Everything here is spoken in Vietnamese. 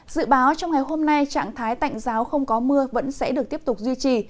dự báo trong ngày hôm nay trạng thái tạnh giáo không có mưa vẫn sẽ được tiếp tục duy trì